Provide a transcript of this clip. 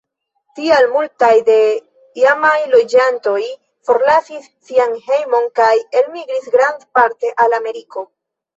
Tial multaj de la iama loĝantoj forlasis sian hejmon kaj elmigris grandparte al Ameriko.